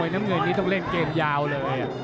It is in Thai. น้ำเงินนี้ต้องเล่นเกมยาวเลย